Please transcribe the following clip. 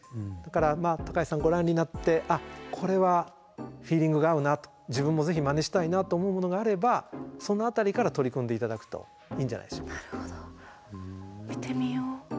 だから橋さんご覧になってあっこれはフィーリングが合うなと自分もぜひまねしたいなと思うものがあればその辺りから取り組んで頂くといいんじゃないでしょうか。